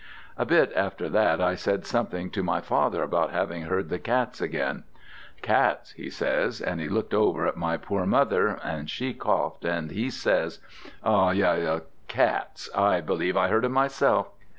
A bit after that I said something to my father about having heard the cats again. 'Cats,' he says, and he looked over at my poor mother, and she coughed and he says, 'Oh! ah! yes, cats. I believe I heard 'em myself.'